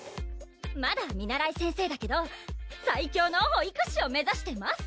まだ見習い先生だけど最強の保育士を目指してます！